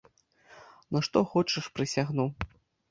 На што хочаш прысягну!